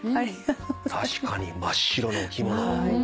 確かに真っ白のお着物。